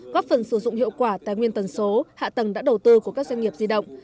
góp phần sử dụng hiệu quả tài nguyên tần số hạ tầng đã đầu tư của các doanh nghiệp di động